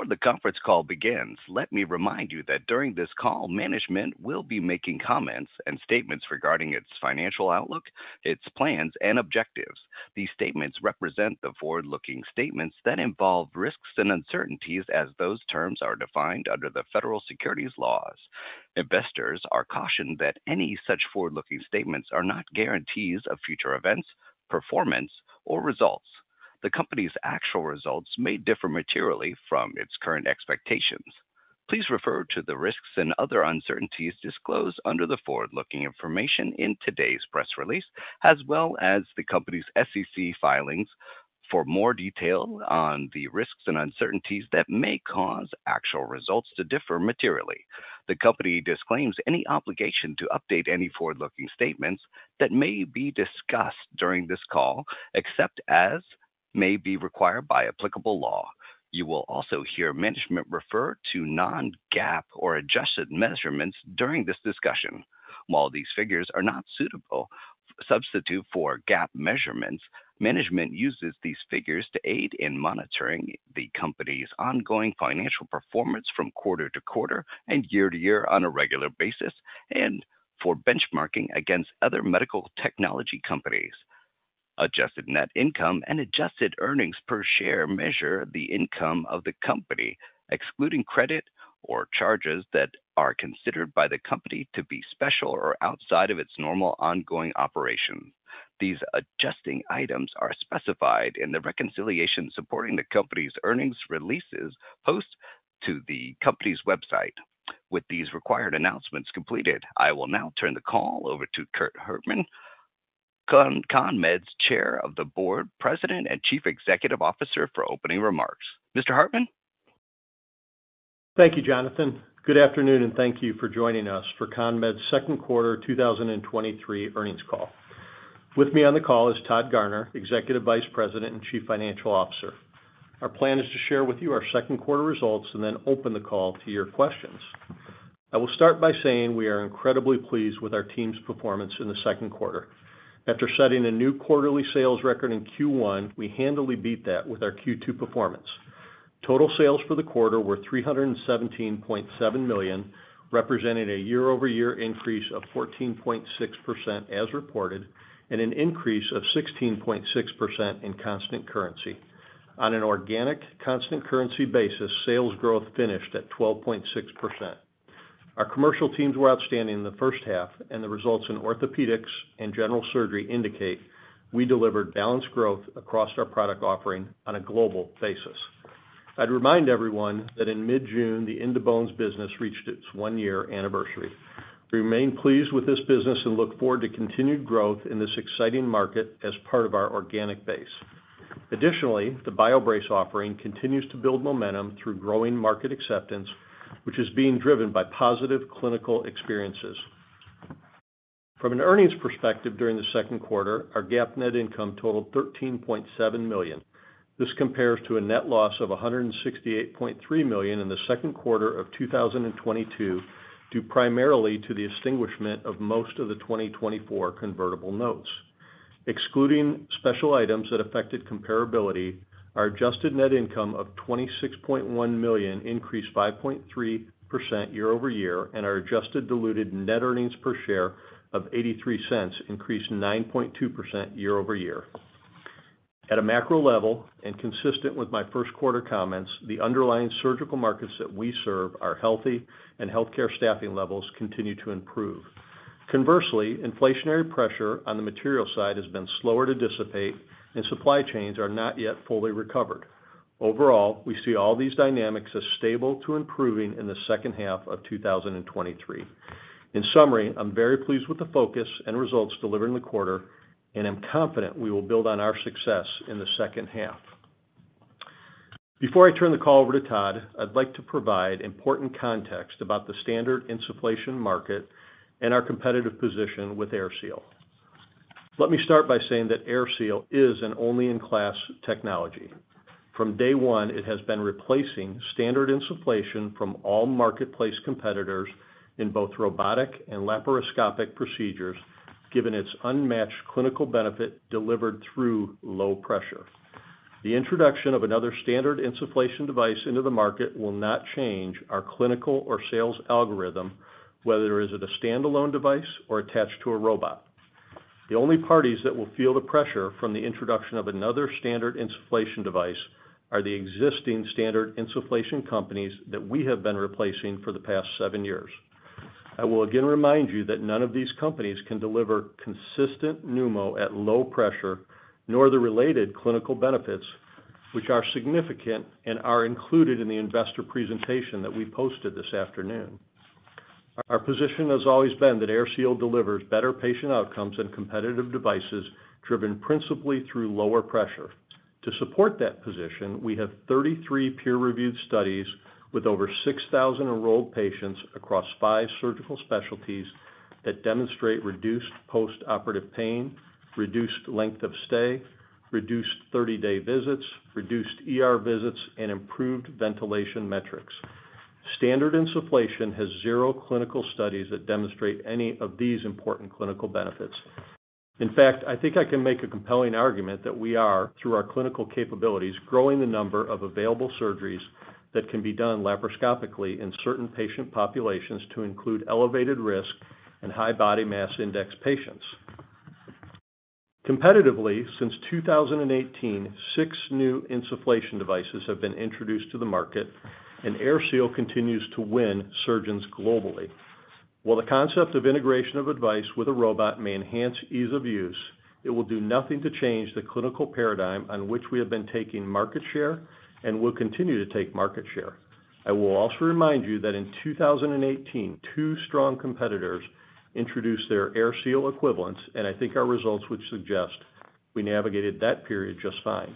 Before the conference call begins, let me remind you that during this call, management will be making comments and statements regarding its financial outlook, its plans, and objectives. These statements represent the forward-looking statements that involve risks and uncertainties as those terms are defined under the federal securities laws. Investors are cautioned that any such forward-looking statements are not guarantees of future events, performance, or results. The company's actual results may differ materially from its current expectations. Please refer to the risks and other uncertainties disclosed under the forward-looking information in today's press release, as well as the company's SEC filings for more detail on the risks and uncertainties that may cause actual results to differ materially. The company disclaims any obligation to update any forward-looking statements that may be discussed during this call, except as may be required by applicable law. You will also hear management refer to non-GAAP or adjusted measurements during this discussion. While these figures are not suitable, substitute for GAAP measurements, management uses these figures to aid in monitoring the company's ongoing financial performance from quarter to quarter and year to year on a regular basis, and for benchmarking against other medical technology companies. Adjusted net income and adjusted earnings per share measure the income of the company, excluding credit or charges that are considered by the company to be special or outside of its normal ongoing operation. These adjusting items are specified in the reconciliation supporting the company's earnings releases, post to the company's website. With these required announcements completed, I will now turn the call over to Curt Hartman, CONMED's Chair of the Board, President, and Chief Executive Officer, for opening remarks. Mr. Hartman? Thank you, Jonathan. Good afternoon, and thank you for joining us for CONMED's second quarter 2023 earnings call. With me on the call is Todd Garner, Executive Vice President and Chief Financial Officer. Our plan is to share with you our second quarter results and then open the call to your questions. I will start by saying we are incredibly pleased with our team's performance in the second quarter. After setting a new quarterly sales record in Q1, we handily beat that with our Q2 performance. Total sales for the quarter were $317.7 million, representing a year-over-year increase of 14.6% as reported, and an increase of 16.6% in constant currency. On an organic constant currency basis, sales growth finished at 12.6%. Our commercial teams were outstanding in the first half. The results in orthopedics and general surgery indicate we delivered balanced growth across our product offering on a global basis. I'd remind everyone that in mid-June, the In2Bones business reached its one-year anniversary. We remain pleased with this business. Look forward to continued growth in this exciting market as part of our organic base. Additionally, the BioBrace offering continues to build momentum through growing market acceptance, which is being driven by positive clinical experiences. From an earnings perspective during the second quarter, our GAAP net income totaled $13.7 million. This compares to a net loss of $168.3 million in the second quarter of 2022, due primarily to the extinguishment of most of the 2024 convertible notes. Excluding special items that affected comparability, our adjusted net income of $26.1 million increased 5.3% year-over-year, and our adjusted diluted net earnings per share of $0.83 increased 9.2% year-over-year. At a macro level, and consistent with my first quarter comments, the underlying surgical markets that we serve are healthy and healthcare staffing levels continue to improve. Conversely, inflationary pressure on the material side has been slower to dissipate, and supply chains are not yet fully recovered. Overall, we see all these dynamics as stable to improving in the second half of 2023. In summary, I'm very pleased with the focus and results delivered in the quarter, and I'm confident we will build on our success in the second half. Before I turn the call over to Todd, I'd like to provide important context about the standard insufflation market and our competitive position with AirSeal. Let me start by saying that AirSeal is an only-in-class technology. From day one, it has been replacing standard insufflation from all marketplace competitors in both robotic and laparoscopic procedures, given its unmatched clinical benefit delivered through low pressure. The introduction of another standard insufflation device into the market will not change our clinical or sales algorithm, whether it is at a standalone device or attached to a robot. The only parties that will feel the pressure from the introduction of another standard insufflation device are the existing standard insufflation companies that we have been replacing for the past seven years. I will again remind you that none of these companies can deliver consistent pneumo at low pressure, nor the related clinical benefits, which are significant and are included in the investor presentation that we posted this afternoon. Our position has always been that AirSeal delivers better patient outcomes than competitive devices, driven principally through lower pressure. To support that position, we have 33 peer-reviewed studies with over 6,000 enrolled patients across five surgical specialties that demonstrate reduced postoperative pain, reduced length of stay, reduced 30-day visits, reduced ER visits, and improved ventilation metrics.... standard insufflation has zero clinical studies that demonstrate any of these important clinical benefits. In fact, I think I can make a compelling argument that we are, through our clinical capabilities, growing the number of available surgeries that can be done laparoscopically in certain patient populations to include elevated risk and high body mass index patients. Competitively, since 2018, six new insufflation devices have been introduced to the market. AirSeal continues to win surgeons globally. While the concept of integration of a device with a robot may enhance ease of use, it will do nothing to change the clinical paradigm on which we have been taking market share and will continue to take market share. I will also remind you that in 2018, two strong competitors introduced their AirSeal equivalents. I think our results would suggest we navigated that period just fine.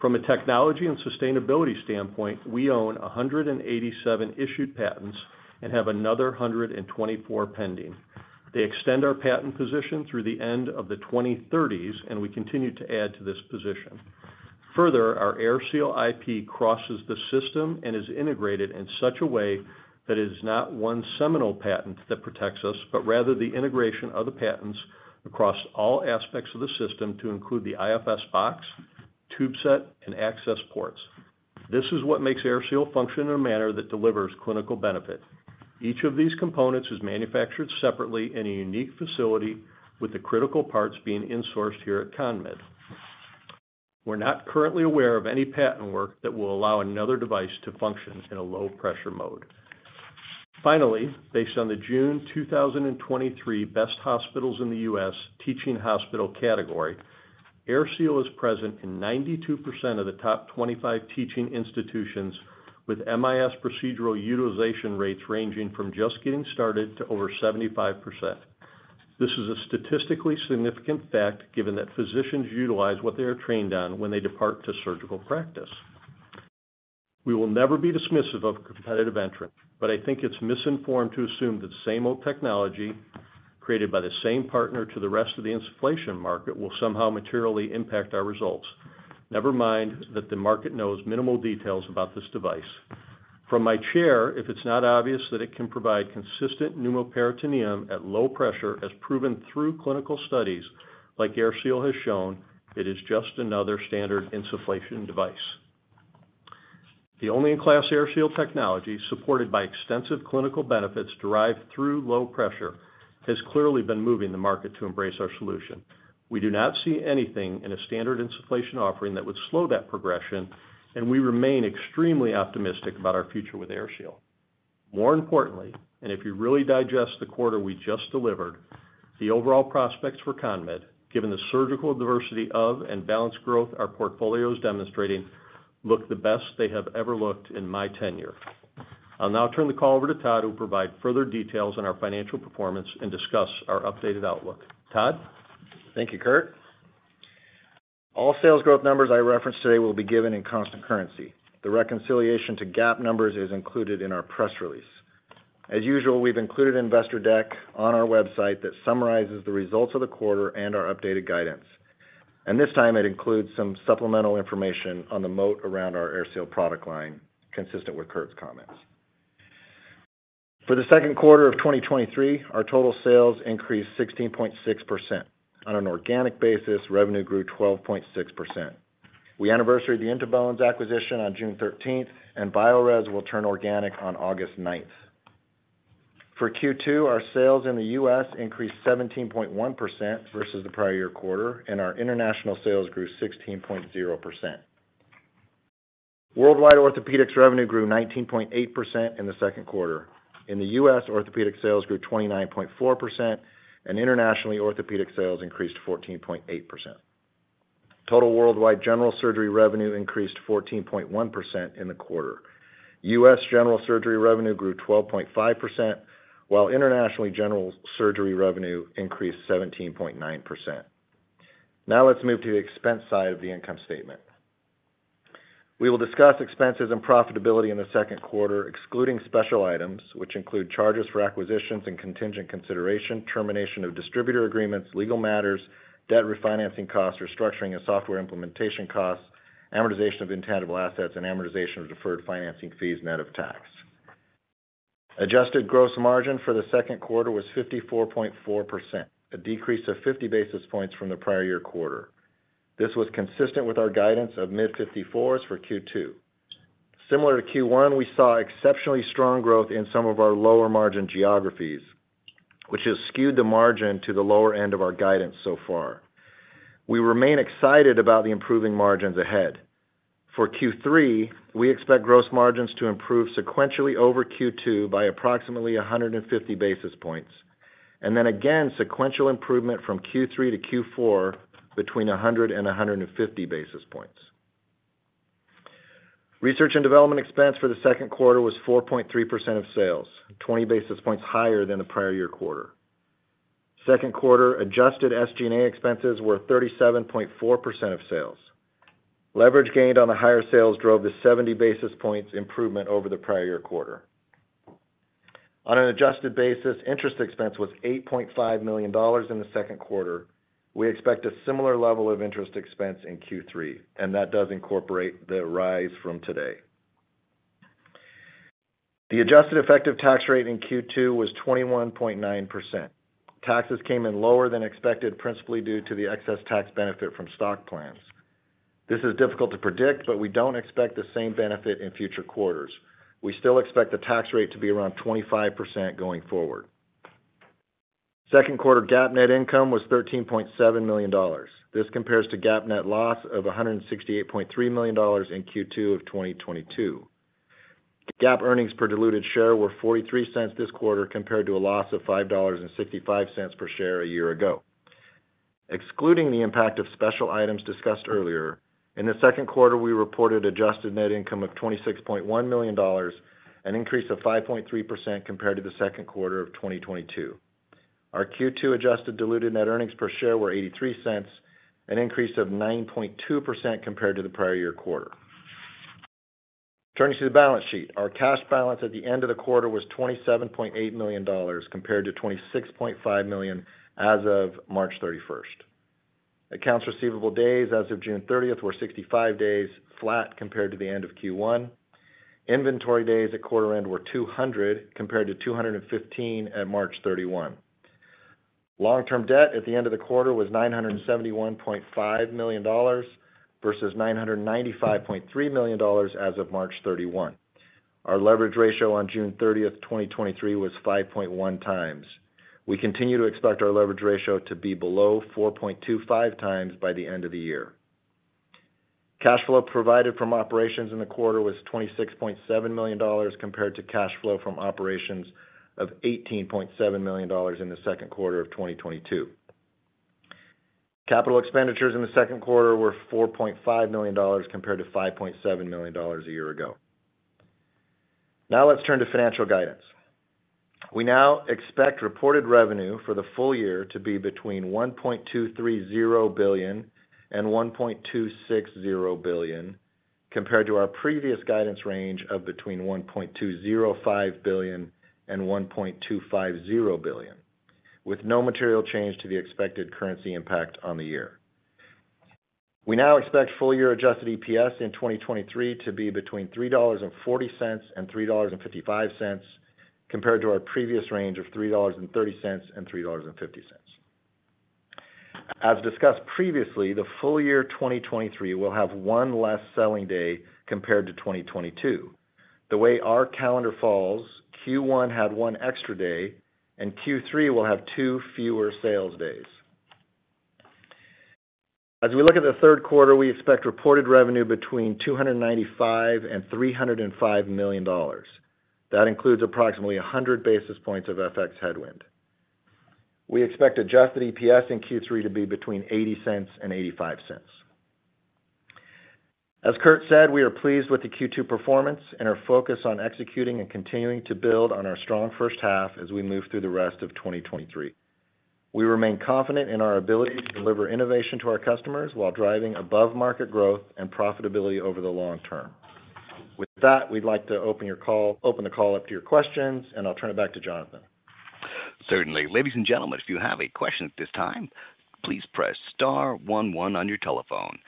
From a technology and sustainability standpoint, we own 187 issued patents and have another 124 pending. They extend our patent position through the end of the 2030s. We continue to add to this position. Our AirSeal IP crosses the system and is integrated in such a way that it is not one seminal patent that protects us, but rather the integration of the patents across all aspects of the system to include the iFS box, tube set, and access ports. This is what makes AirSeal function in a manner that delivers clinical benefit. Each of these components is manufactured separately in a unique facility, with the critical parts being insourced here at CONMED. We're not currently aware of any patent work that will allow another device to function in a low-pressure mode. Based on the June 2023 Best Hospitals in the U.S. teaching hospital category, AirSeal is present in 92% of the top 25 teaching institutions, with MIS procedural utilization rates ranging from just getting started to over 75%. This is a statistically significant fact, given that physicians utilize what they are trained on when they depart to surgical practice. We will never be dismissive of competitive entrants, but I think it's misinformed to assume that the same old technology, created by the same partner to the rest of the insufflation market, will somehow materially impact our results. Never mind that the market knows minimal details about this device. From my chair, if it's not obvious that it can provide consistent pneumoperitoneum at low pressure, as proven through clinical studies like AirSeal has shown, it is just another standard insufflation device. The only in-class AirSeal technology, supported by extensive clinical benefits derived through low pressure, has clearly been moving the market to embrace our solution. We do not see anything in a standard insufflation offering that would slow that progression. We remain extremely optimistic about our future with AirSeal. More importantly, if you really digest the quarter we just delivered, the overall prospects for CONMED, given the surgical diversity of and balanced growth our portfolio is demonstrating, look the best they have ever looked in my tenure. I'll now turn the call over to Todd, who will provide further details on our financial performance and discuss our updated outlook. Todd? Thank you, Curt. All sales growth numbers I reference today will be given in constant currency. The reconciliation to GAAP numbers is included in our press release. As usual, we've included an investor deck on our website that summarizes the results of the quarter and our updated guidance, and this time it includes some supplemental information on the moat around our AirSeal product line, consistent with Curt's comments. For the second quarter of 2023, our total sales increased 16.6%. On an organic basis, revenue grew 12.6%. We anniversaried the In2Bones acquisition on June 13th, and Biorez will turn organic on August 9th. For Q2, our sales in the U.S. increased 17.1% versus the prior year quarter, and our international sales grew 16.0%. Worldwide orthopedics revenue grew 19.8% in the second quarter. In the U.S., orthopedic sales grew 29.4%. Internationally, orthopedic sales increased 14.8%. Total worldwide general surgery revenue increased 14.1% in the quarter. U.S. general surgery revenue grew 12.5%, while internationally, general surgery revenue increased 17.9%. Let's move to the expense side of the income statement. We will discuss expenses and profitability in the second quarter, excluding special items, which include charges for acquisitions and contingent consideration, termination of distributor agreements, legal matters, debt refinancing costs, restructuring and software implementation costs, amortization of intangible assets, and amortization of deferred financing fees net of tax. Adjusted gross margin for the second quarter was 54.4%, a decrease of 50 basis points from the prior-year quarter. This was consistent with our guidance of mid fifty-fours for Q2. Similar to Q1, we saw exceptionally strong growth in some of our lower-margin geographies, which has skewed the margin to the lower end of our guidance so far. We remain excited about the improving margins ahead. For Q3, we expect gross margins to improve sequentially over Q2 by approximately 150 basis points. Then again, sequential improvement from Q3 to Q4 between 100 and 150 basis points. Research and development expense for the second quarter was 4.3% of sales, 20 basis points higher than the prior-year quarter. Second quarter adjusted SG&A expenses were 37.4% of sales. Leverage gained on the higher sales drove the 70 basis points improvement over the prior-year quarter. On an adjusted basis, interest expense was $8.5 million in the second quarter. We expect a similar level of interest expense in Q3, and that does incorporate the rise from today. The adjusted effective tax rate in Q2 was 21.9%. Taxes came in lower than expected, principally due to the excess tax benefit from stock plans. This is difficult to predict, but we don't expect the same benefit in future quarters. We still expect the tax rate to be around 25% going forward. Second quarter GAAP net income was $13.7 million. This compares to GAAP net loss of $168.3 million in Q2 of 2022. GAAP earnings per diluted share were $0.43 this quarter, compared to a loss of $5.65 per share a year ago. Excluding the impact of special items discussed earlier, in the second quarter, we reported adjusted net income of $26.1 million, an increase of 5.3% compared to the second quarter of 2022. Our Q2 adjusted diluted net earnings per share were $0.83, an increase of 9.2% compared to the prior year quarter. Turning to the balance sheet. Our cash balance at the end of the quarter was $27.8 million, compared to $26.5 million as of March 31st. Accounts receivable days as of June 30th were 65 days, flat compared to the end of Q1. Inventory days at quarter end were 200, compared to 215 at March 31. Long-term debt at the end of the quarter was $971.5 million, versus $995.3 million as of March 31. Our leverage ratio on June 30, 2023, was 5.1 times. We continue to expect our leverage ratio to be below 4.25 times by the end of the year. Cash flow provided from operations in the quarter was $26.7 million, compared to cash flow from operations of $18.7 million in the second quarter of 2022. Capital expenditures in the second quarter were $4.5 million, compared to $5.7 million a year ago. Let's turn to financial guidance. We now expect reported revenue for the full year to be between $1.230 billion and $1.260 billion, compared to our previous guidance range of between $1.205 billion and $1.250 billion, with no material change to the expected currency impact on the year. We now expect full year adjusted EPS in 2023 to be between $3.40 and $3.55, compared to our previous range of $3.30 and $3.50. As discussed previously, the full year 2023 will have one less selling day compared to 2022. The way our calendar falls, Q1 had one extra day, and Q3 will have two fewer sales days. As we look at the third quarter, we expect reported revenue between $295 million and $305 million. That includes approximately 100 basis points of FX headwind. We expect adjusted EPS in Q3 to be between $0.80 and $0.85. As Curt said, we are pleased with the Q2 performance and are focused on executing and continuing to build on our strong first half as we move through the rest of 2023. We remain confident in our ability to deliver innovation to our customers while driving above-market growth and profitability over the long term. With that, we'd like to open the call up to your questions, and I'll turn it back to Jonathan. Certainly. Ladies and gentlemen, if you have a question at this time, please press star one one on your telephone.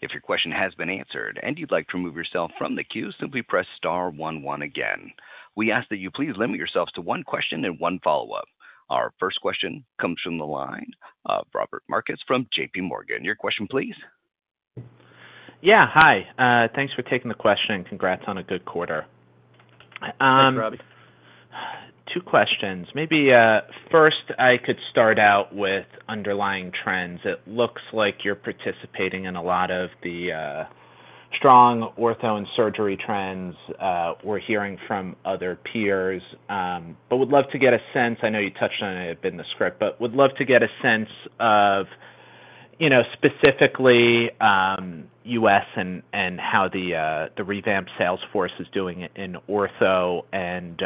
If your question has been answered and you'd like to remove yourself from the queue, simply press star one one again. We ask that you please limit yourselves to one question and one follow-up. Our first question comes from the line of Robbie Marcus from JPMorgan. Your question, please. Hi, thanks for taking the question. Congrats on a good quarter. Thanks, Robbie. Two questions. Maybe first, I could start out with underlying trends. It looks like you're participating in a lot of the strong ortho and surgery trends we're hearing from other peers. Would love to get a sense. I know you touched on it a bit in the script, but would love to get a sense of, you know, specifically, U.S. and how the revamped sales force is doing in ortho and,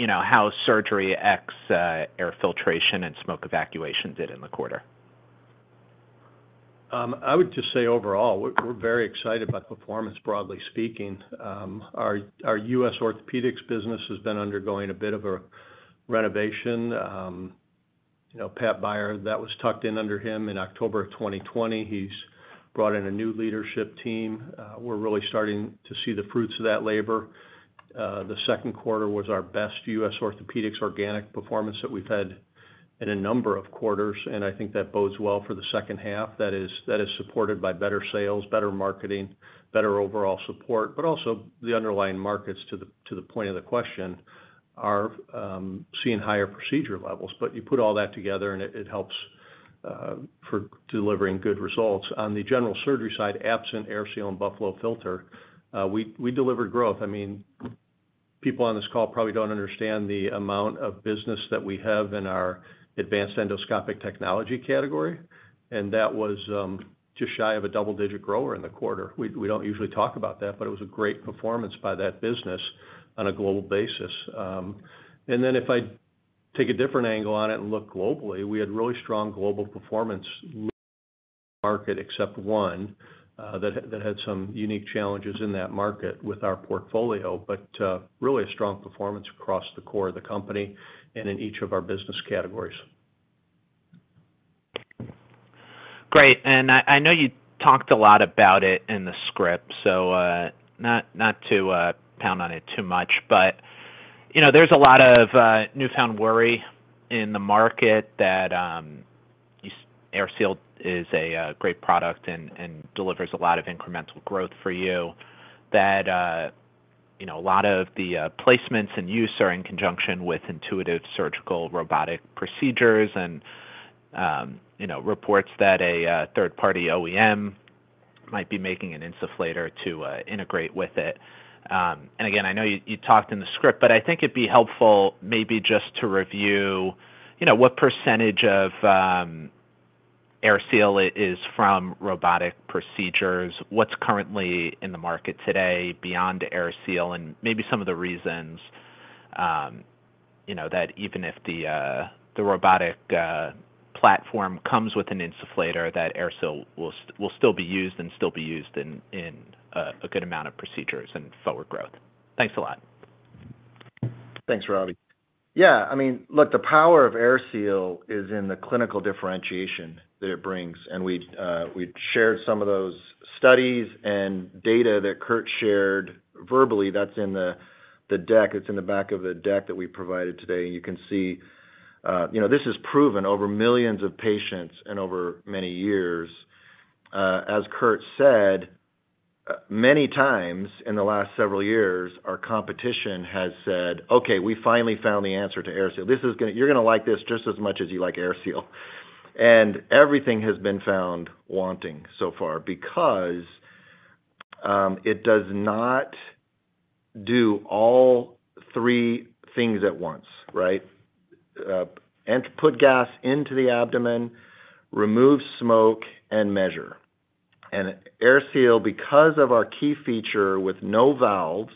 you know, how surgery ex air filtration and smoke evacuation did in the quarter. I would just say overall, we're very excited about the performance, broadly speaking. Our U.S. orthopedics business has been undergoing a bit of a renovation. You know, Patrick Beyer, that was tucked in under him in October of 2020. He's brought in a new leadership team. We're really starting to see the fruits of that labor. The second quarter was our best U.S. orthopedics organic performance that we've had in a number of quarters, and I think that bodes well for the second half. That is supported by better sales, better marketing, better overall support, but also the underlying markets, to the point of the question, are seeing higher procedure levels. You put all that together, and it helps for delivering good results. On the general surgery side, absent AirSeal and Buffalo Filter, we delivered growth. I mean, people on this call probably don't understand the amount of business that we have in our Advanced Endoscopic Technologies category, and that was just shy of a double-digit grower in the quarter. We don't usually talk about that, but it was a great performance by that business on a global basis. Then if I take a different angle on it and look globally, we had really strong global performance leading market except one that had some unique challenges in that market with our portfolio. Really a strong performance across the core of the company and in each of our business categories. Great. I know you talked a lot about it in the script, so, not to, pound on it too much. You know, there's a lot of, newfound worry in the market that, AirSeal is a, great product and delivers a lot of incremental growth for you. That, you know, a lot of the, placements and use are in conjunction with intuitive surgical robotic procedures, and, you know, reports that a, third-party OEM might be making an insufflator to, integrate with it. Again, I know you talked in the script, but I think it'd be helpful, maybe just to review, you know, what percentage of AirSeal is from robotic procedures, what's currently in the market today beyond AirSeal, and maybe some of the reasons, you know, that even if the robotic platform comes with an insufflator, that AirSeal will still be used and still be used in a good amount of procedures and forward growth. Thanks a lot. Thanks, Robbie. I mean, look, the power of AirSeal is in the clinical differentiation that it brings, and we'd shared some of those studies and data that Curt shared verbally, that's in the deck. It's in the back of the deck that we provided today. You can see, you know, this is proven over millions of patients and over many years. As Curt said, many times in the last several years, our competition has said, "Okay, we finally found the answer to AirSeal. You're gonna like this just as much as you like AirSeal." Everything has been found wanting so far because it does not do all three things at once, right? To put gas into the abdomen, remove smoke, and measure. AirSeal, because of our key feature with no valves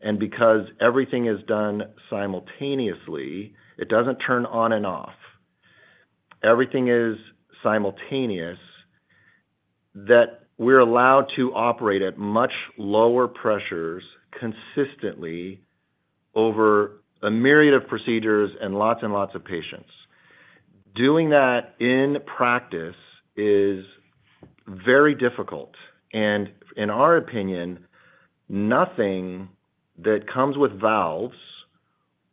and because everything is done simultaneously, it doesn't turn on and off. Everything is simultaneous, that we're allowed to operate at much lower pressures consistently over a myriad of procedures and lots and lots of patients. Doing that in practice is very difficult, and in our opinion, nothing that comes with valves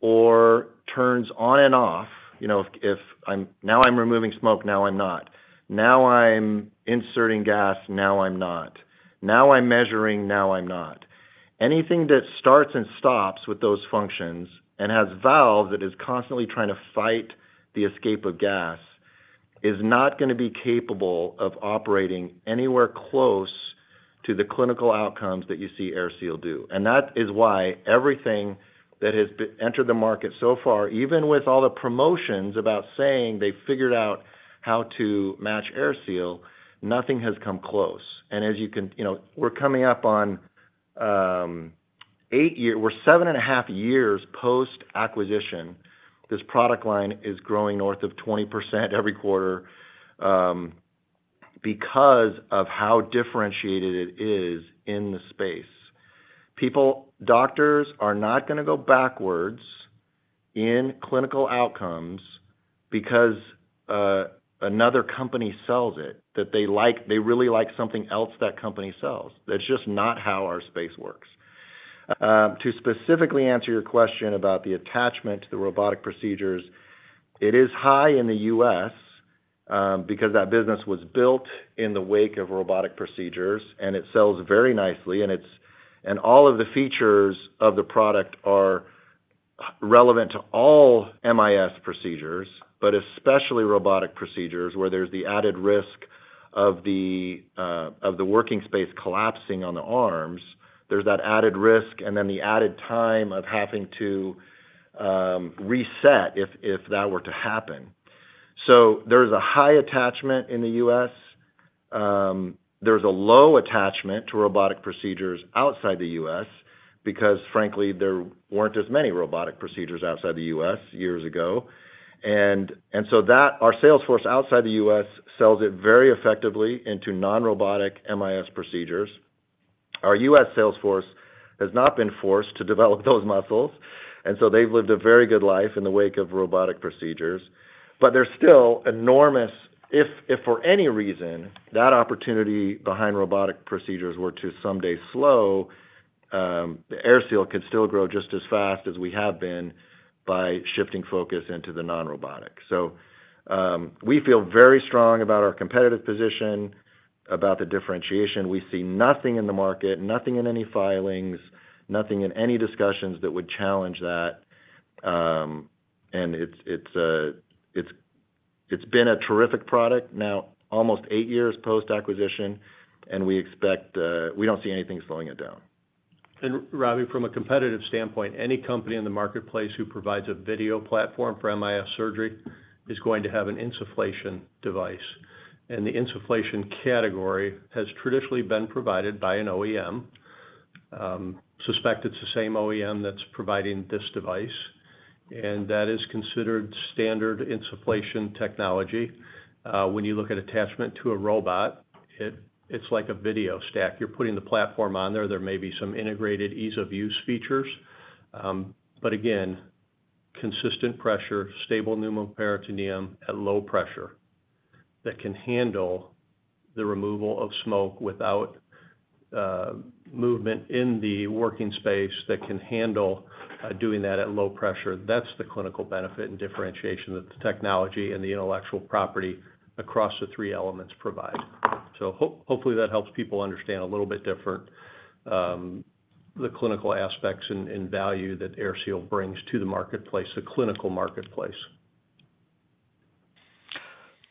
or turns on and off, you know, if I'm now I'm removing smoke, now I'm not. Now I'm inserting gas, now I'm not. Now I'm measuring, now I'm not. Anything that starts and stops with those functions and has valve that is constantly trying to fight the escape of gas, is not gonna be capable of operating anywhere close to the clinical outcomes that you see AirSeal do. That is why everything that has entered the market so far, even with all the promotions about saying they figured out how to match AirSeal, nothing has come close. As you can... You know, we're coming up on seven and a half years post-acquisition. This product line is growing north of 20% every quarter, because of how differentiated it is in the space. People, doctors are not gonna go backwards in clinical outcomes because another company sells it, that they really like something else that company sells. That's just not how our space works. To specifically answer your question about the attachment to the robotic procedures, it is high in the U.S. because that business was built in the wake of robotic procedures, and it sells very nicely, and all of the features of the product are relevant to all MIS procedures, but especially robotic procedures, where there's the added risk of the working space collapsing on the arms. There's that added risk and then the added time of having to reset if that were to happen. There's a high attachment in the U.S. There's a low attachment to robotic procedures outside the U.S. because, frankly, there weren't as many robotic procedures outside the U.S. years ago. Our sales force outside the U.S. sells it very effectively into non-robotic MIS procedures. Our U.S. sales force has not been forced to develop those muscles, and so they've lived a very good life in the wake of robotic procedures, but they're still enormous. If for any reason, that opportunity behind robotic procedures were to someday slow, the AirSeal could still grow just as fast as we have been by shifting focus into the non-robotic. We feel very strong about our competitive position, about the differentiation. We see nothing in the market, nothing in any filings, nothing in any discussions that would challenge that. It's, it's been a terrific product, now almost eight years post-acquisition, and we expect we don't see anything slowing it down. Robbie, from a competitive standpoint, any company in the marketplace who provides a video platform for MIS surgery is going to have an insufflation device, and the insufflation category has traditionally been provided by an OEM. Suspect it's the same OEM that's providing this device. That is considered standard insufflation technology. When you look at attachment to a robot, it's like a video stack. You're putting the platform on there. There may be some integrated ease-of-use features, but again, consistent pressure, stable pneumoperitoneum at low pressure that can handle the removal of smoke without movement in the working space, that can handle doing that at low pressure. That's the clinical benefit and differentiation that the technology and the intellectual property across the three elements provide. Hopefully, that helps people understand a little bit different, the clinical aspects and value that AirSeal brings to the marketplace, the clinical marketplace.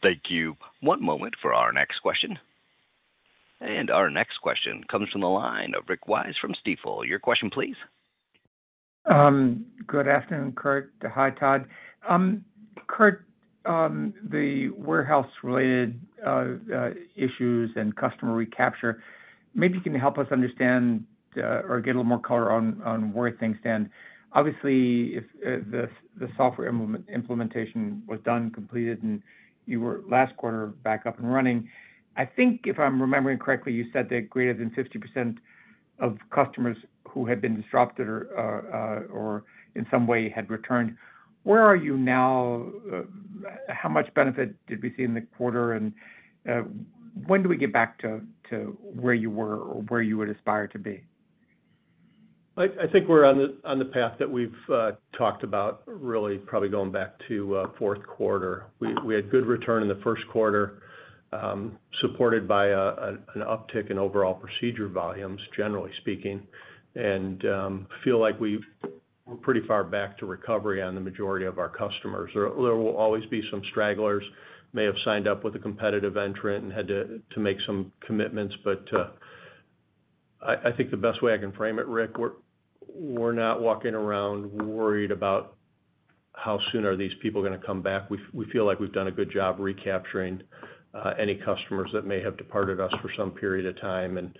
Thank you. One moment for our next question. Our next question comes from the line of Rick Wise from Stifel. Your question, please. Good afternoon, Curt. Hi, Todd. Curt, the warehouse-related issues and customer recapture, maybe you can help us understand or get a little more color on where things stand. Obviously, if the software implementation was done and completed, and you were last quarter back up and running, I think, if I'm remembering correctly, you said that greater than 50% of customers who had been disrupted or in some way had returned. Where are you now? How much benefit did we see in the quarter? When do we get back to where you were or where you would aspire to be? I think we're on the path that we've talked about, really, probably going back to fourth quarter. We had good return in the first quarter, supported by an uptick in overall procedure volumes, generally speaking, and feel like we're pretty far back to recovery on the majority of our customers. There will always be some stragglers, may have signed up with a competitive entrant and had to make some commitments. I think the best way I can frame it, Rick, we're not walking around worried about how soon are these people gonna come back. We feel like we've done a good job recapturing any customers that may have departed us for some period of time.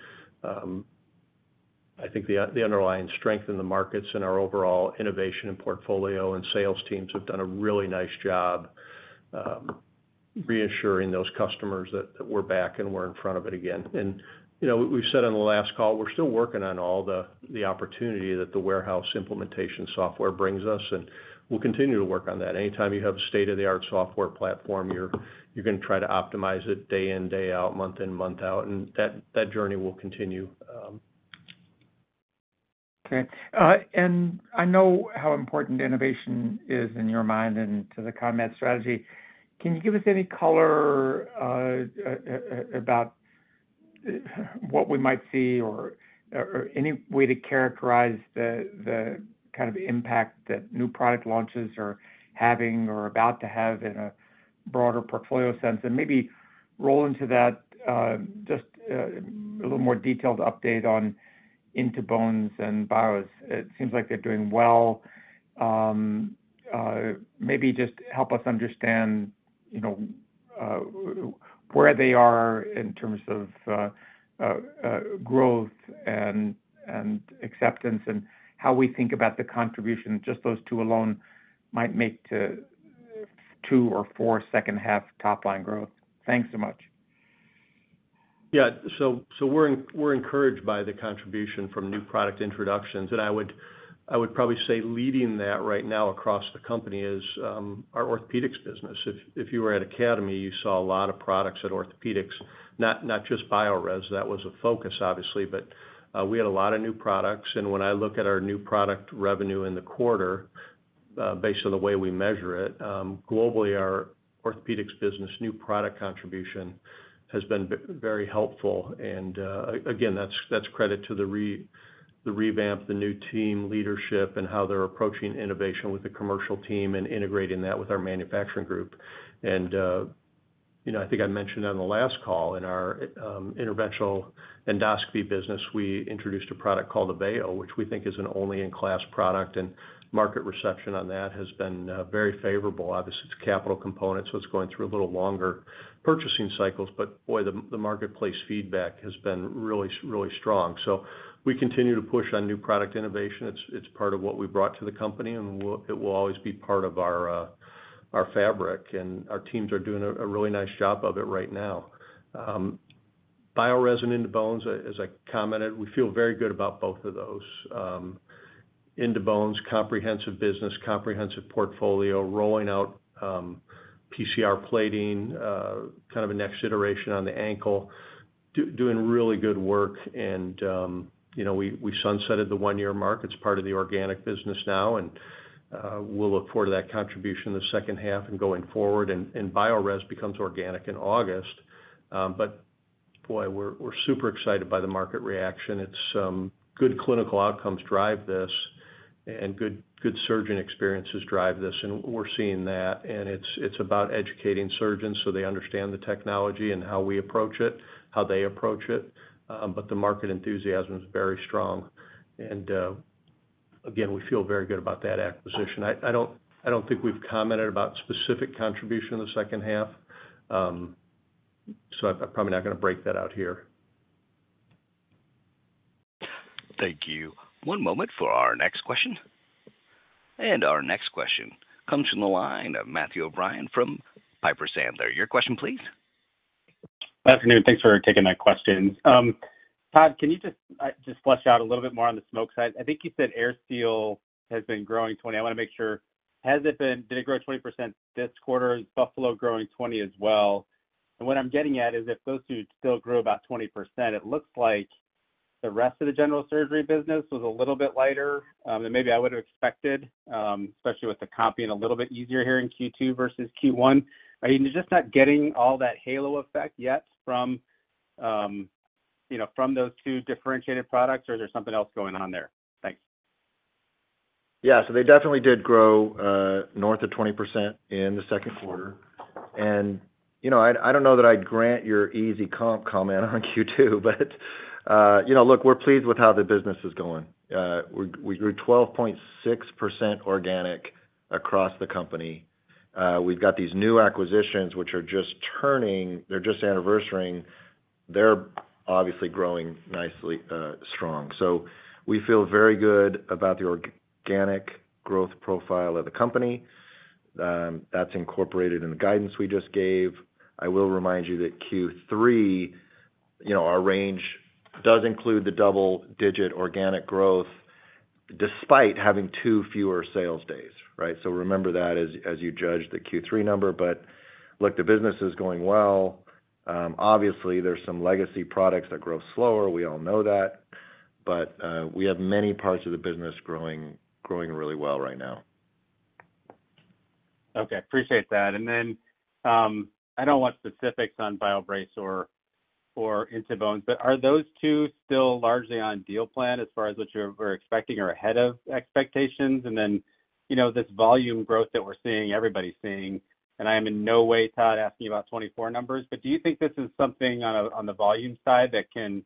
I think the underlying strength in the markets and our overall innovation and portfolio and sales teams have done a really nice job reassuring those customers that we're back and we're in front of it again. You know, we said on the last call, we're still working on all the opportunity that the warehouse implementation software brings us, and we'll continue to work on that. Anytime you have a state-of-the-art software platform, you're gonna try to optimize it day in, day out, month in, month out, and that journey will continue. Okay. and I know how important innovation is in your mind and to the CONMED strategy. Can you give us any color, about, what we might see or any way to characterize the kind of impact that new product launches are having or about to have in a broader portfolio sense? maybe roll into that, just a little more detailed update on In2Bones and Biorez. It seems like they're doing well. maybe just help us understand, you know, where they are in terms of, growth and acceptance, and how we think about the contribution, just those two alone might make to two or four second half top line growth. Thanks so much. We're encouraged by the contribution from new product introductions, and I would probably say leading that right now across the company is our orthopedics business. If you were at Academy, you saw a lot of products at orthopedics, not just Biorez, that was a focus, obviously, but we had a lot of new products. When I look at our new product revenue in the quarter, based on the way we measure it, globally, our orthopedics business new product contribution has been very helpful. Again, that's credit to the revamp, the new team leadership, and how they're approaching innovation with the commercial team and integrating that with our manufacturing group. You know, I think I mentioned on the last call, in our interventional endoscopy business, we introduced a product called Beamer AVEO, which we think is an only in class product, and market reception on that has been very favorable. Obviously, it's a capital component, so it's going through a little longer purchasing cycles, boy, the marketplace feedback has been really strong. We continue to push on new product innovation. It's part of what we brought to the company, and it will always be part of our fabric, and our teams are doing a really nice job of it right now. Biorez and In2Bones, as I commented, we feel very good about both of those. In2Bones, comprehensive business, comprehensive portfolio, rolling out PCR plating, kind of a next iteration on the ankle, doing really good work. You know, we sunsetted the one-year mark. It's part of the organic business now, we'll look forward to that contribution in the second half and going forward, Biorez becomes organic in August. Boy, we're super excited by the market reaction. It's good clinical outcomes drive this, and good surgeon experiences drive this, and we're seeing that. It's about educating surgeons so they understand the technology and how we approach it, how they approach it, the market enthusiasm is very strong. Again, we feel very good about that acquisition. I don't think we've commented about specific contribution in the second half, so I'm probably not gonna break that out here. Thank you. One moment for our next question. Our next question comes from the line of Matthew O'Brien from Piper Sandler. Your question, please. Good afternoon. Thanks for taking my question. Todd, can you just flesh out a little bit more on the smoke side? I think you said AirSeal has been growing 20. I want to make sure, did it grow 20% this quarter? Is Buffalo growing 20 as well? What I'm getting at is, if those two still grow about 20%, it looks like the rest of the general surgery business was a little bit lighter than maybe I would have expected, especially with the comp being a little bit easier here in Q2 versus Q1. Are you just not getting all that halo effect yet from, you know, from those two differentiated products, or is there something else going on there? Thanks. Yeah, they definitely did grow north of 20% in the second quarter. You know, I don't know that I'd grant your easy comp comment on Q2, but, you know, look, we're pleased with how the business is going. We grew 12.6% organic across the company. We've got these new acquisitions, which are just turning... They're just anniversarying. They're obviously growing nicely, strong. We feel very good about the organic growth profile of the company. That's incorporated in the guidance we just gave. I will remind you that Q3, you know, our range does include the double-digit organic growth, despite having two fewer sales days, right? Remember that as you judge the Q3 number. Look, the business is going well. Obviously, there's some legacy products that grow slower. We all know that. We have many parts of the business growing really well right now. Okay, appreciate that. Then, I don't want specifics on BioBrace or In2Bones, but are those two still largely on deal plan as far as what you were expecting or ahead of expectations? Then, you know, this volume growth that we're seeing, everybody's seeing, and I am in no way, Todd, asking you about 2024 numbers, but do you think this is something on the volume side that can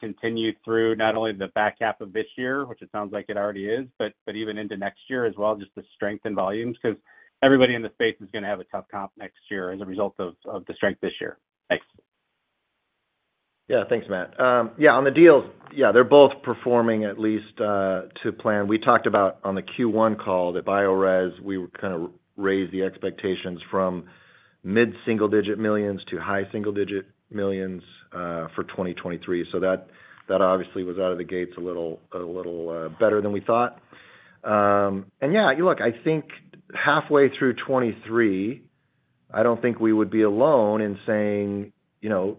continue through not only the back half of this year, which it sounds like it already is, but even into next year as well, just the strength in volumes? Everybody in this space is going to have a tough comp next year as a result of the strength this year. Thanks. Thanks, Matt. On the deals, they're both performing at least to plan. We talked about on the Q1 call that Biorez, we kind of raised the expectations from mid-single-digit millions to high single-digit millions for 2023. That obviously was out of the gates a little better than we thought. Look, I think halfway through 2023, I don't think we would be alone in saying, you know,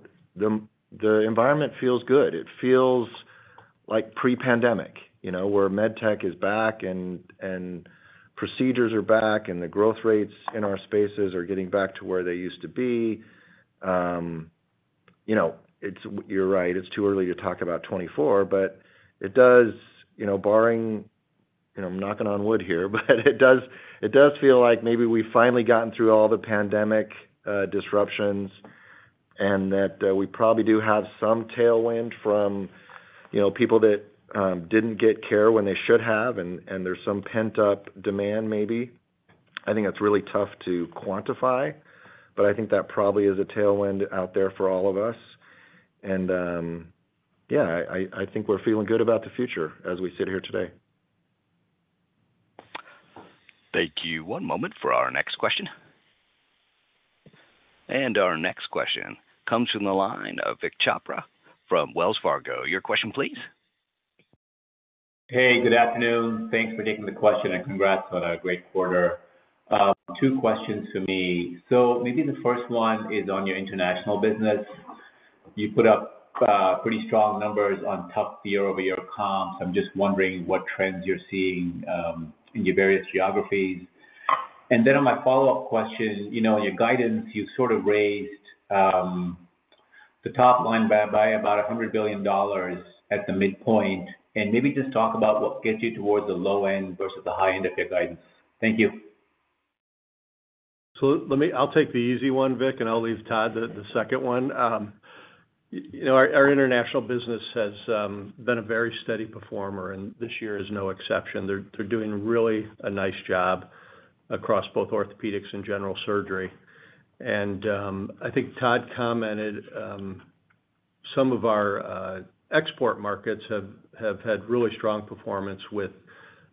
the environment feels good. It feels like pre-pandemic, you know, where med tech is back and procedures are back, and the growth rates in our spaces are getting back to where they used to be. You know, you're right. It's too early to talk about 2024, but it does, you know, barring, you know, I'm knocking on wood here, it does feel like maybe we've finally gotten through all the pandemic disruptions, and that, we probably do have some tailwind from, you know, people that didn't get care when they should have, and there's some pent-up demand, maybe. I think it's really tough to quantify, but I think that probably is a tailwind out there for all of us. Yeah, I think we're feeling good about the future as we sit here today. Thank you. One moment for our next question. Our next question comes from the line of Vik Chopra from Wells Fargo. Your question, please. Hey, good afternoon. Thanks for taking the question, and congrats on a great quarter. Two questions for me. Maybe the first one is on your international business. You put up pretty strong numbers on tough year-over-year comps. I'm just wondering what trends you're seeing in your various geographies. Then on my follow-up question, you know, your guidance, you've sort of raised the top line by about $100 billion at the midpoint. Maybe just talk about what gets you towards the low end versus the high end of your guidance. Thank you. I'll take the easy one, Vik Chopra, and I'll leave Todd Garner the second one. You know, our international business has been a very steady performer, and this year is no exception. They're doing really a nice job across both orthopedics and general surgery. I think Todd Garner commented, some of our export markets have had really strong performance with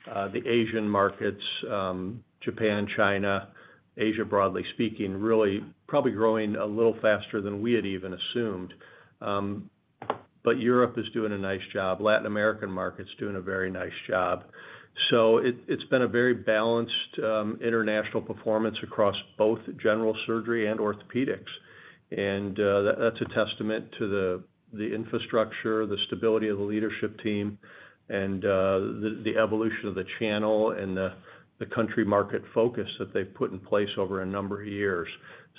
the Asian markets, Japan, China, Asia, broadly speaking, really probably growing a little faster than we had even assumed. Europe is doing a nice job. Latin American market's doing a very nice job. It's been a very balanced international performance across both general surgery and orthopedics. That's a testament to the infrastructure, the stability of the leadership team and the evolution of the channel and the country market focus that they've put in place over a number of years.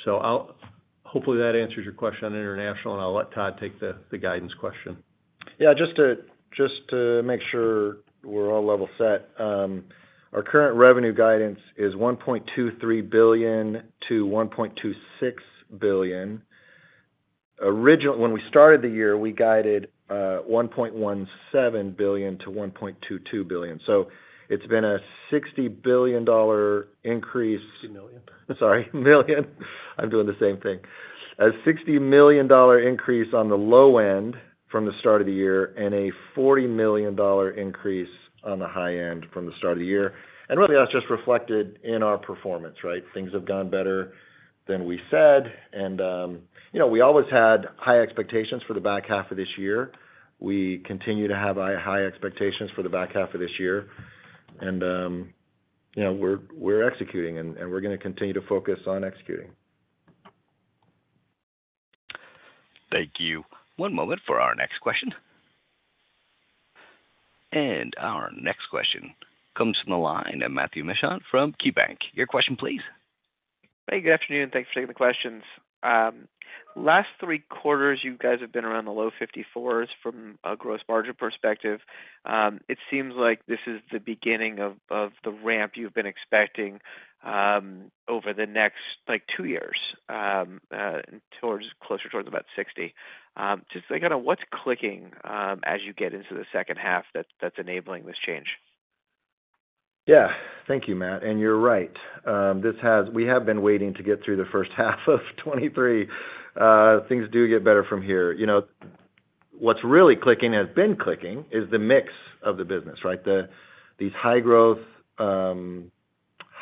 Hopefully, that answers your question on international, and I'll let Todd take the guidance question. Yeah, just to make sure we're all level set, our current revenue guidance is $1.23 billion-$1.26 billion. Originally, when we started the year, we guided, $1.17 billion-$1.22 billion. It's been a $60 billion increase. Million. Sorry, million. I'm doing the same thing. A $60 million increase on the low end from the start of the year, a $40 million increase on the high end from the start of the year. Really, that's just reflected in our performance, right? Things have gone better than we said, and, you know, we always had high expectations for the back half of this year. We continue to have high expectations for the back half of this year. You know, we're executing, and we're gonna continue to focus on executing. Thank you. One moment for our next question. Our next question comes from the line of Matthew Mishan from KeyBanc. Your question, please. Hey, good afternoon. Thanks for taking the questions. Last three quarters, you guys have been around the low 54% from a gross margin perspective. It seems like this is the beginning of the ramp you've been expecting over the next, like, two years, closer towards about 60%. Just thinking on what's clicking as you get into the second half that's enabling this change? Yeah. Thank you, Matt. You're right. We have been waiting to get through the first half of 2023. Things do get better from here. You know, what's really clicking, has been clicking, is the mix of the business, right? These high-growth,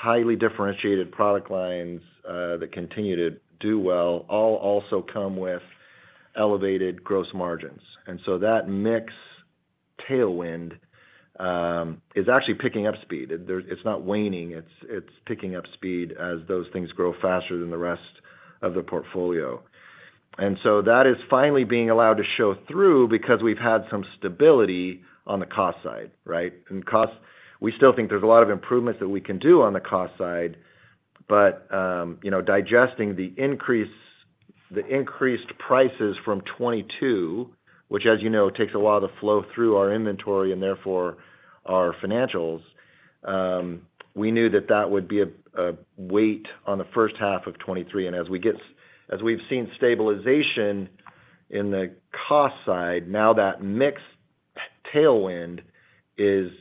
highly differentiated product lines, that continue to do well, all also come with elevated gross margins. That mix tailwind, is actually picking up speed. There, it's not waning, it's picking up speed as those things grow faster than the rest of the portfolio. That is finally being allowed to show through because we've had some stability on the cost side, right? Cost, we still think there's a lot of improvements that we can do on the cost side, but, you know, digesting the increased prices from 2022, which, as you know, takes a while to flow through our inventory and therefore our financials, we knew that that would be a weight on the first half of 2023. As we've seen stabilization in the cost side, now that mix tailwind is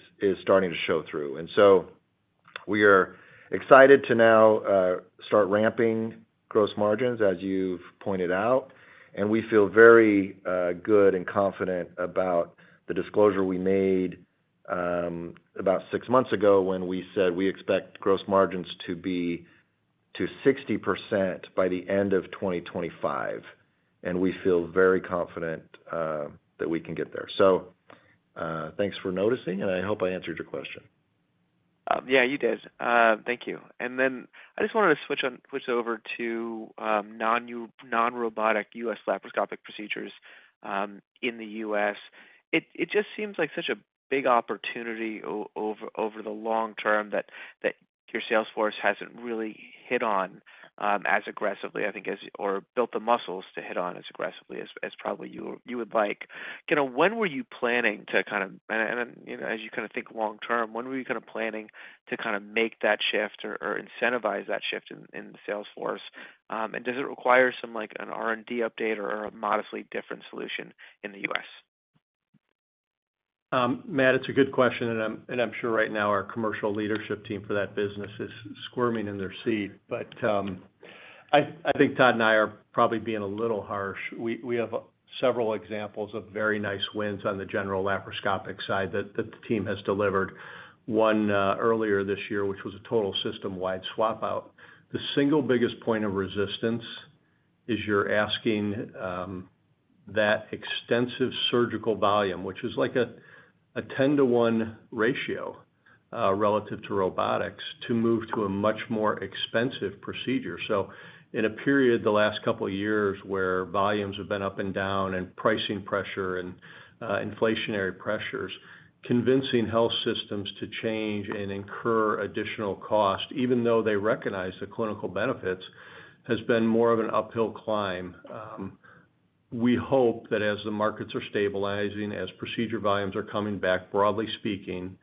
starting to show through. We are excited to now start ramping gross margins, as you've pointed out, and we feel very good and confident about the disclosure we made about six months ago when we said we expect gross margins to be to 60% by the end of 2025. We feel very confident that we can get there. Thanks for noticing, and I hope I answered your question. Yeah, you did. Thank you. Then I just wanted to switch over to non-robotic U.S. laparoscopic procedures in the U.S. It just seems like such a big opportunity over the long term, that your sales force hasn't really hit on as aggressively, I think, as or built the muscles to hit on as aggressively as probably you would like. You know, when were you planning to kind of. You know, as you kind of think long term, when were you kind of planning to kind of make that shift or incentivize that shift in the sales force? Does it require some, like, an R&D update or a modestly different solution in the U.S.? Matt, it's a good question, and I'm sure right now our commercial leadership team for that business is squirming in their seat. I think Todd Garner and I are probably being a little harsh. We have several examples of very nice wins on the general laparoscopic side that the team has delivered. One earlier this year, which was a total system-wide swap-out. The single biggest point of resistance is you're asking that extensive surgical volume, which is like a 10-to-one ratio relative to robotics, to move to a much more expensive procedure. In a period, the last couple of years, where volumes have been up and down, and pricing pressure and inflationary pressures, convincing health systems to change and incur additional cost, even though they recognize the clinical benefits, has been more of an uphill climb. We hope that as the markets are stabilizing, as procedure volumes are coming back, broadly speaking,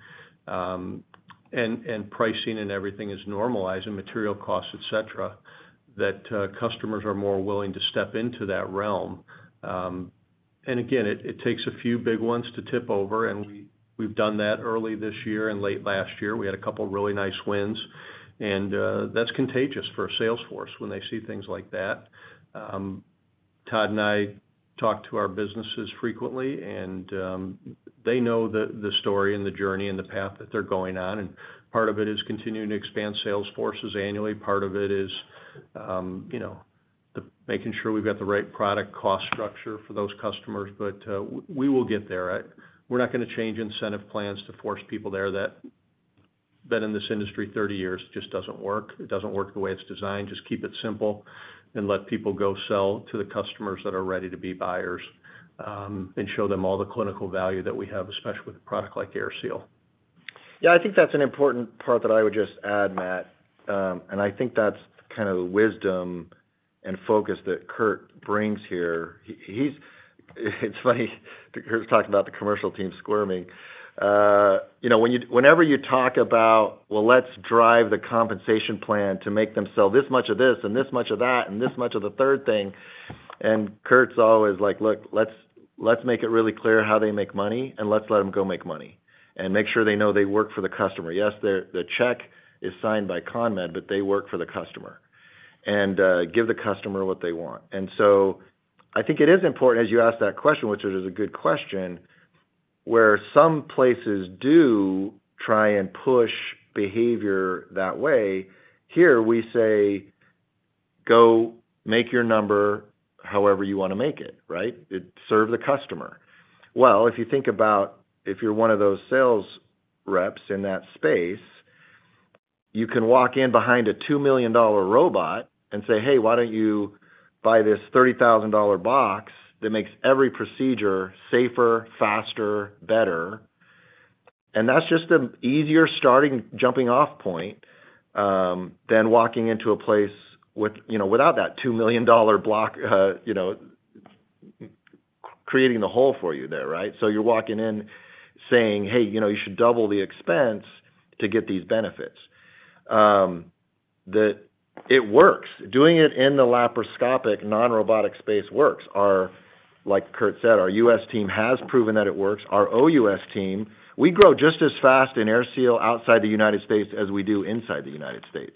pricing and everything is normalizing, material costs, et cetera, that customers are more willing to step into that realm. Again, it takes a few big ones to tip over, and we've done that early this year and late last year. We had a couple of really nice wins, that's contagious for a sales force when they see things like that. Todd and I talk to our businesses frequently, they know the story and the journey and the path that they're going on, and part of it is continuing to expand sales forces annually. Part of it is, you know, making sure we've got the right product cost structure for those customers. We will get there. We're not gonna change incentive plans to force people there that... Been in this industry 30 years, it just doesn't work. It doesn't work the way it's designed. Just keep it simple and let people go sell to the customers that are ready to be buyers, and show them all the clinical value that we have, especially with a product like AirSeal. Yeah, I think that's an important part that I would just add, Matt. I think that's kind of the wisdom and focus that Curt brings here. It's funny to hear talking about the commercial team squirming. you know, when you whenever you talk about, well, let's drive the compensation plan to make them sell this much of this and this much of that and this much of the third thing, and Curt's always like: Look, let's make it really clear how they make money, and let's let them go make money. Make sure they know they work for the customer. Yes, the check is signed by CONMED, but they work for the customer, and give the customer what they want. I think it is important, as you ask that question, which is a good question, where some places do try and push behavior that way. Here we say, "Go make your number however you want to make it," right? It serve the customer. Well, if you think about if you're one of those sales reps in that space, you can walk in behind a $2 million robot and say, "Hey, why don't you buy this $30,000 box that makes every procedure safer, faster, better?" That's just an easier starting jumping off point than walking into a place with, you know, without that $2 million block, you know, creating the hole for you there, right? So you're walking in saying: Hey, you know, you should double the expense to get these benefits. That it works. Doing it in the laparoscopic non-robotic space works. Like Curt said, our U.S. team has proven that it works. Our OUS team, we grow just as fast in AirSeal outside the United States as we do inside the United States,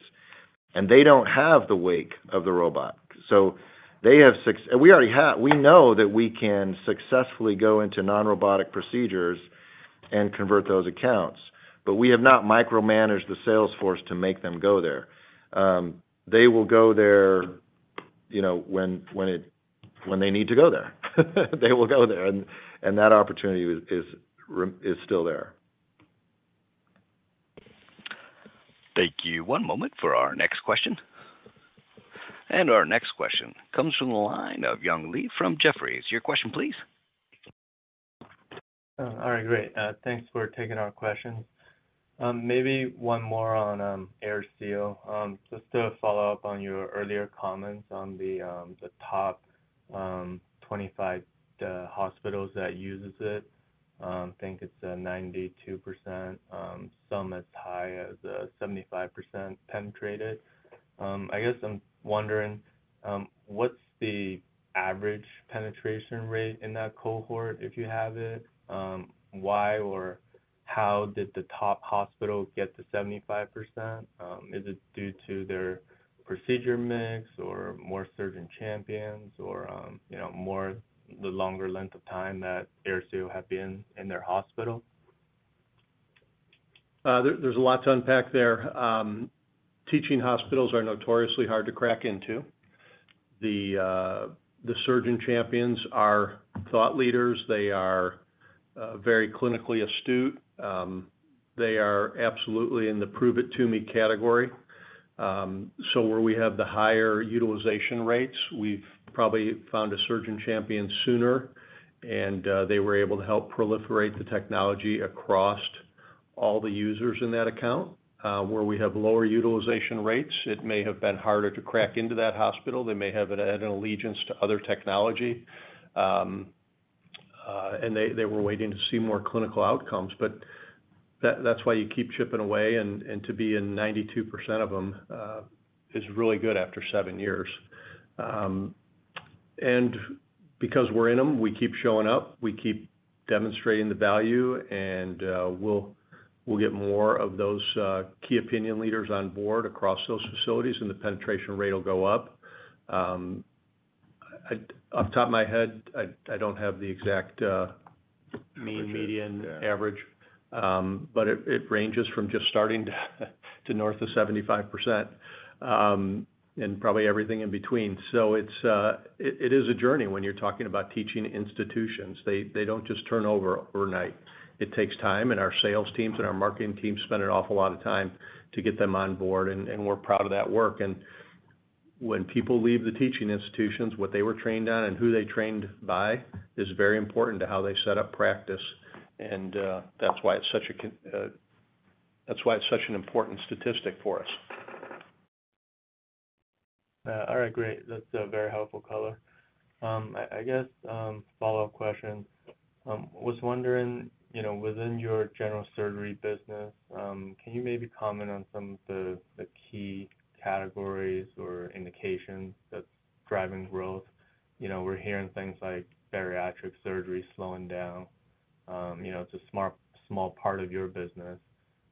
and they don't have the wake of the robot. They have success... We know that we can successfully go into non-robotic procedures and convert those accounts, but we have not micromanaged the sales force to make them go there. They will go there, you know, when they need to go there, they will go there, and that opportunity is still there. Thank you. One moment for our next question. Our next question comes from the line of Young Li from Jefferies. Your question, please. All right, great. Thanks for taking our question. Maybe one more on AirSeal. Just to follow up on your earlier comments on the top 25 hospitals that uses it. I think it's 92%, some as high as 75% penetrated. I guess I'm wondering what's the average penetration rate in that cohort, if you have it? Why or how did the top hospital get to 75%? Is it due to their procedure mix or more surgeon champions or, you know, more the longer length of time that AirSeal have been in their hospital? There, there's a lot to unpack there. Teaching hospitals are notoriously hard to crack into. The surgeon champions are thought leaders. They are very clinically astute. They are absolutely in the prove it to me category. Where we have the higher utilization rates, we've probably found a surgeon champion sooner, and they were able to help proliferate the technology across all the users in that account. Where we have lower utilization rates, it may have been harder to crack into that hospital. They may have had an allegiance to other technology, and they were waiting to see more clinical outcomes. That, that's why you keep chipping away, and to be in 92% of them is really good after seven years. Because we're in them, we keep showing up, we keep demonstrating the value, we'll get more of those key opinion leaders on board across those facilities. The penetration rate will go up. Off the top of my head, I don't have the exact mean, median, average, but it ranges from just starting to north of 75%, probably everything in between. It is a journey when you're talking about teaching institutions. They don't just turn over overnight. It takes time, our sales teams and our marketing teams spend an awful lot of time to get them on board, and we're proud of that work. When people leave the teaching institutions, what they were trained on and who they trained by is very important to how they set up practice, and that's why it's such an important statistic for us. All right, great. That's a very helpful color. I guess, follow-up question. Was wondering, you know, within your general surgery business, can you maybe comment on some of the key categories or indications that's driving growth? You know, we're hearing things like bariatric surgery slowing down. You know, it's a small part of your business,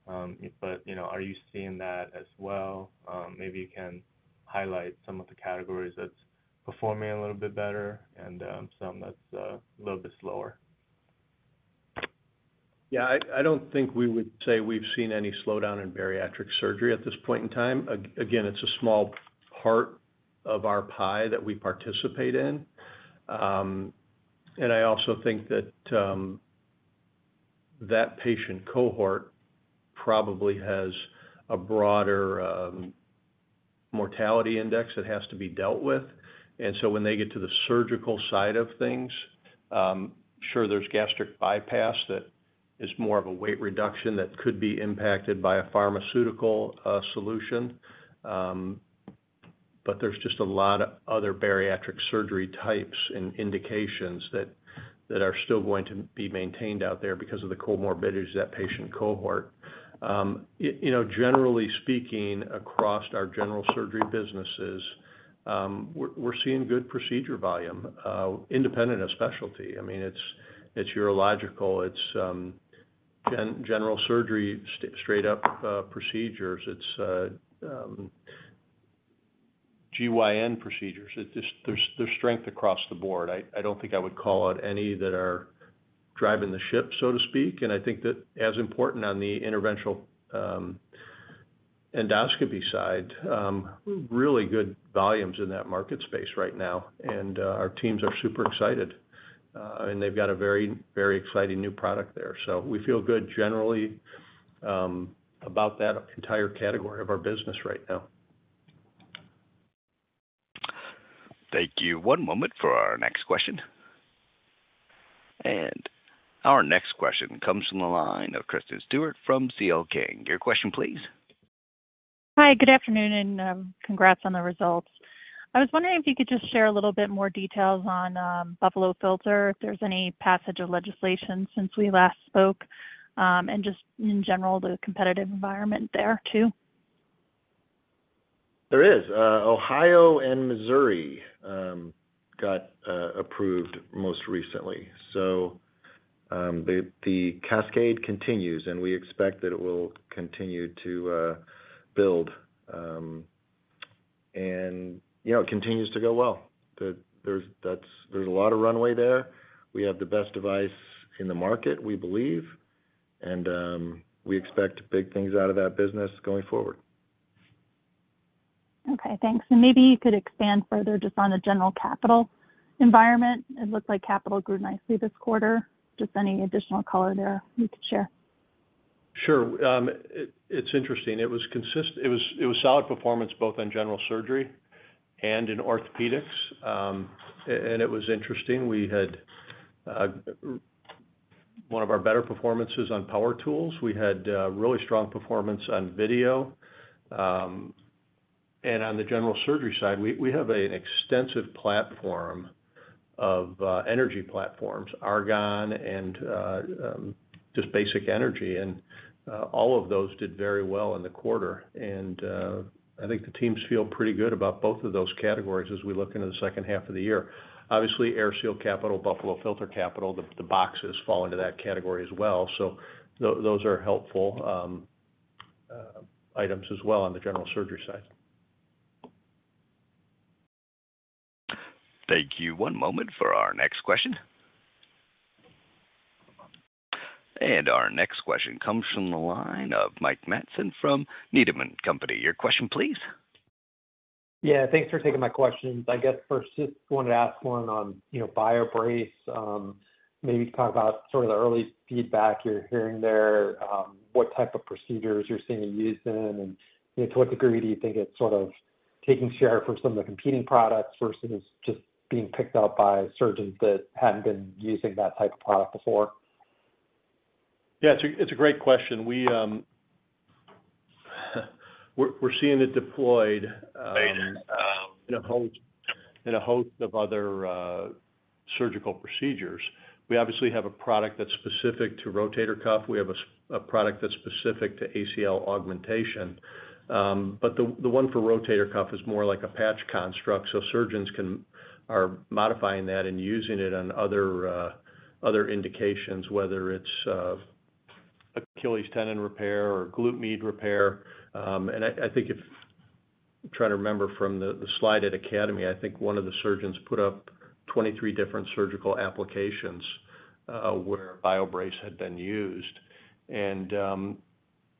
but, you know, are you seeing that as well? Maybe you can highlight some of the categories that's performing a little bit better and some that's a little bit slower. Yeah, I don't think we would say we've seen any slowdown in bariatric surgery at this point in time. Again, it's a small part of our pie that we participate in. And I also think that patient cohort probably has a broader mortality index that has to be dealt with. When they get to the surgical side of things, sure, there's gastric bypass that is more of a weight reduction that could be impacted by a pharmaceutical solution. But there's just a lot of other bariatric surgery types and indications that are still going to be maintained out there because of the comorbidities of that patient cohort. You know, generally speaking, across our general surgery businesses, we're seeing good procedure volume independent of specialty. I mean, it's urological, it's general surgery, straight up procedures. It's GYN procedures. There's strength across the board. I don't think I would call out any that are driving the ship, so to speak. I think that as important on the interventional endoscopy side, really good volumes in that market space right now, and our teams are super excited. They've got a very exciting new product there. We feel good generally about that entire category of our business right now. Thank you. One moment for our next question. Our next question comes from the line of Kristen Stewart from CL King. Your question, please. Hi, good afternoon, and congrats on the results. I was wondering if you could just share a little bit more details on Buffalo Filter, if there's any passage of legislation since we last spoke, and just in general, the competitive environment there, too. There is. Ohio and Missouri got approved most recently. The cascade continues, and we expect that it will continue to build. You know, it continues to go well. There's a lot of runway there. We have the best device in the market, we believe, and we expect big things out of that business going forward. Okay, thanks. Maybe you could expand further just on the general capital environment. It looks like capital grew nicely this quarter. Just any additional color there you could share? Sure. It's interesting. It was solid performance, both in general surgery and in orthopedics. It was interesting, we had one of our better performances on power tools. We had really strong performance on video. On the general surgery side, we have an extensive platform of energy platforms, Argon and just basic energy, and all of those did very well in the quarter. I think the teams feel pretty good about both of those categories as we look into the second half of the year. Obviously, AirSeal capital, Buffalo Filter capital, the boxes fall into that category as well. So those are helpful items as well on the general surgery side. Thank you. One moment for our next question. Our next question comes from the line of Mike Matson from Needham & Company. Your question, please. Yeah, thanks for taking my questions. I guess first, just wanted to ask one on, you know, BioBrace. Maybe talk about sort of the early feedback you're hearing there, what type of procedures you're seeing it used in, and, you know, to what degree do you think it's sort of taking share from some of the competing products versus just being picked up by surgeons that hadn't been using that type of product before? Yeah, it's a great question. We're seeing it deployed in a host of other surgical procedures. We obviously have a product that's specific to rotator cuff. We have a product that's specific to ACL augmentation. The one for rotator cuff is more like a patch construct, so surgeons are modifying that and using it on other indications, whether it's Achilles tendon repair or glute med repair. I think if, trying to remember from the slide at Academy, I think one of the surgeons put up 23 different surgical applications where BioBrace had been used.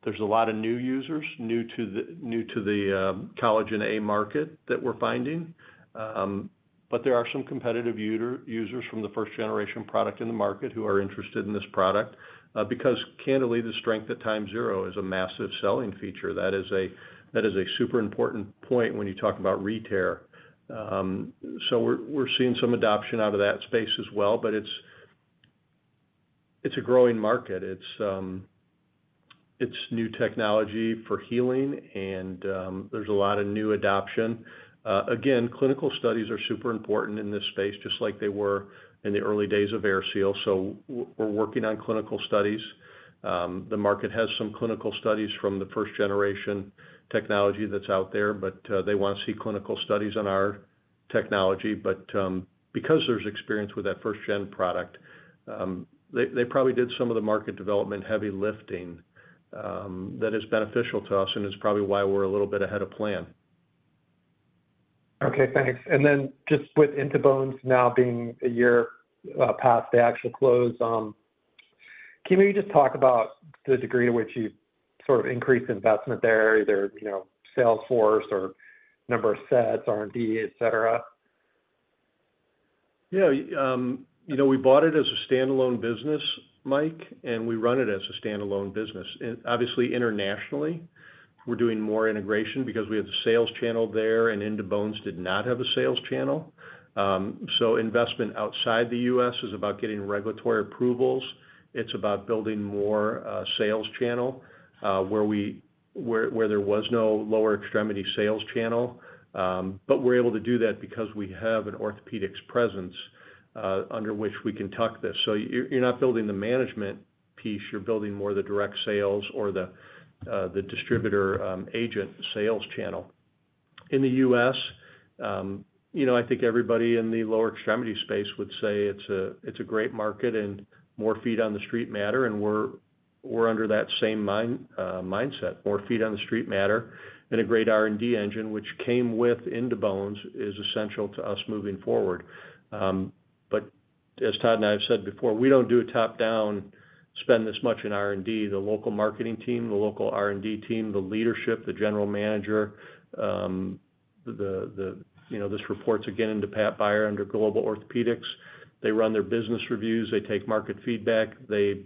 There's a lot of new users, new to the collagen A market that we're finding. There are some competitive users from the first generation product in the market who are interested in this product. Because candidly, the strength at time zero is a massive selling feature. That is a super important point when you talk about re-tear. We're seeing some adoption out of that space as well, but it's a growing market. It's new technology for healing, and there's a lot of new adoption. Again, clinical studies are super important in this space, just like they were in the early days of AirSeal, so we're working on clinical studies. The market has some clinical studies from the first generation technology that's out there, but they want to see clinical studies on our technology. Because there's experience with that first gen product, they probably did some of the market development heavy lifting, that is beneficial to us, and it's probably why we're a little bit ahead of plan. Okay, thanks. Just with In2Bones now being a year past the actual close, can you just talk about the degree to which you've sort of increased investment there, either, you know, sales force or number of sets, R&D, et cetera? Yeah, you know, we bought it as a standalone business, Mike, we run it as a standalone business. Obviously, internationally, we're doing more integration because we have the sales channel there, and In2Bones did not have a sales channel. Investment outside the U.S. is about getting regulatory approvals. It's about building more sales channel where there was no lower extremity sales channel. We're able to do that because we have an orthopedics presence under which we can tuck this. You're not building the management piece, you're building more the direct sales or the distributor agent sales channel. In the U.S., you know, I think everybody in the lower extremity space would say it's a great market and more feet on the street matter, and we're under that same mindset. More feet on the street matter, and a great R&D engine, which came with In2Bones, is essential to us moving forward. As Todd and I have said before, we don't do a top-down, spend this much in R&D. The local marketing team, the local R&D team, the leadership, the general manager, the, you know, this reports, again, into Pat Beyer under Global Orthopedics. They run their business reviews, they take market feedback, they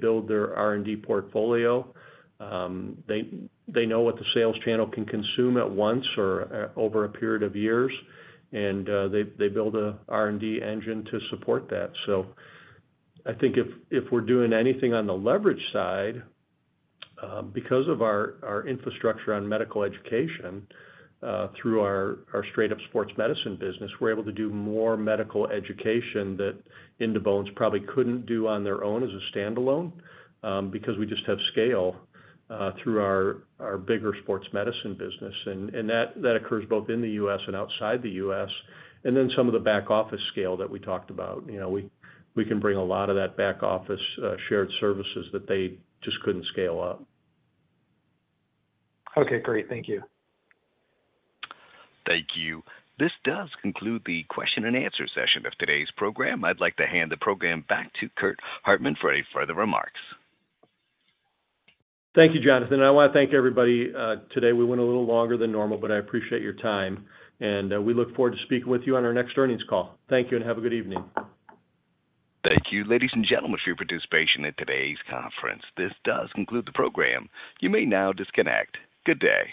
build their R&D portfolio. They know what the sales channel can consume at once or over a period of years, and they build a R&D engine to support that. I think if we're doing anything on the leverage side, because of our infrastructure on medical education through our straight-up sports medicine business, we're able to do more medical education that In2Bones probably couldn't do on their own as a standalone because we just have scale through our bigger sports medicine business. That occurs both in the U.S. and outside the U.S., and then some of the back office scale that we talked about. You know, we can bring a lot of that back office shared services that they just couldn't scale up. Okay, great. Thank you. Thank you. This does conclude the question and answer session of today's program. I'd like to hand the program back to Curt Hartman for any further remarks. Thank you, Jonathan, and I want to thank everybody today. We went a little longer than normal, but I appreciate your time, and we look forward to speaking with you on our next earnings call. Thank you, and have a good evening. Thank you, ladies and gentlemen, for your participation in today's conference. This does conclude the program. You may now disconnect. Good day.